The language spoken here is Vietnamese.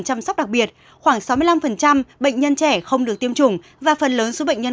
chăm sóc đặc biệt khoảng sáu mươi năm bệnh nhân trẻ không được tiêm chủng và phần lớn số bệnh nhân